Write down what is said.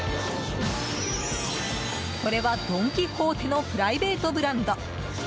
これはドン・キホーテのプライベートブランド。